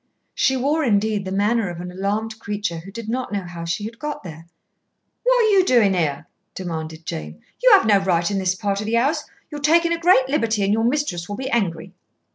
She wore, indeed, the manner of an alarmed creature who did not know how she had got there. "What are you doing here?" demanded Jane. "You have no right in this part of the house. You're taking a great liberty, and your mistress will be angry."